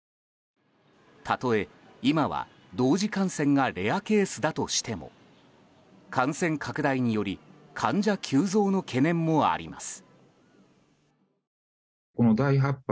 たとえ、今は同時感染がレアケースだとしても感染拡大により患者急増の懸念もあります。